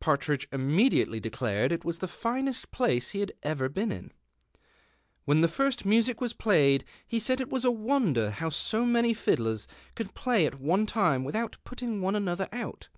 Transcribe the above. Partridge inuuediatcly declared it was the finest place he had ever been in. When the first music was played he said it was a wonder how so numy fiddlers could j^lay at one time without putting one another out.